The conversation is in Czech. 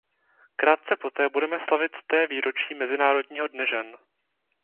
Krátce poté budeme slavit sté výročí Mezinárodního dne žen.